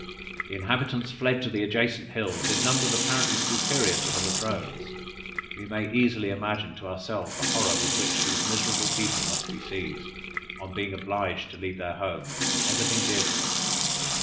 The inhabitants fled to the adjacent hills, in numbers apparently superior to the Ladrones. We may easily imagine to ourselves the horror with which these miserable people must be seized, on being obliged to leave their homes, and everything dear to them.